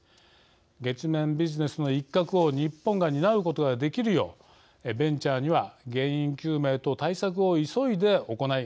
月面ビジネスの一角を日本が担うことができるようベンチャーには原因究明と対策を急いで行い